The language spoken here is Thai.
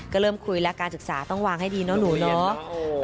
ก็เริ่มคุยแล้วการศึกษาต้องวางให้ดีเนาะหนูเนาะ